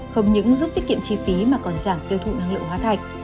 không những giúp tiết kiệm chi phí mà còn giảm tiêu thụ năng lượng hóa thạch